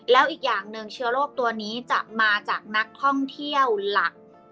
แล้วอีกอย่างหนึ่งเชื้อโรคตัวนี้จะมาจากนักท่องเที่ยวหลัก